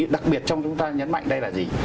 đặc biệt trong chúng ta nhấn mạnh đây là gì